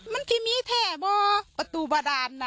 มันที่มีแทบว่าประตูบ่าด่านน่ะ